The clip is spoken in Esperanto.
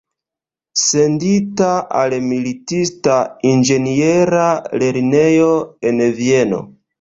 Sendita al militista inĝeniera lernejo en Vieno.